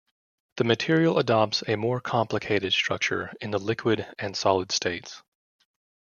The material adopts a more complicated structure in the liquid and solid states.